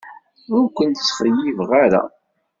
Ur ken-ttxeyyibeɣ ara.